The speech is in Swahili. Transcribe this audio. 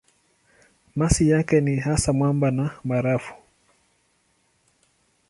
Masi yake ni hasa mwamba na barafu.